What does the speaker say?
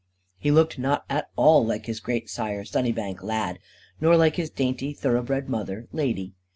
He looked not at all like his great sire, Sunnybank Lad, nor like his dainty, thoroughbred mother, Lady.